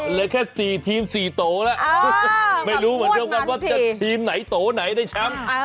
เหลือแค่๔ทีม๔โตแล้วไม่รู้เหมือนกันว่าจะทีมไหนโตไหนได้แชมป์